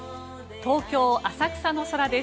東京・浅草の空です。